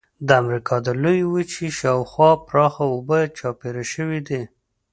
د امریکا د لویې وچې شاو خوا پراخه اوبه چاپېره شوې دي.